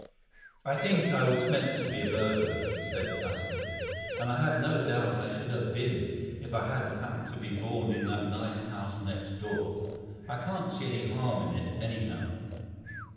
"I think I was meant to be a burglar," he said placidly, "and I have no doubt I should have been if I hadn't happened to be born in that nice house next door. I can't see any harm in it, anyhow."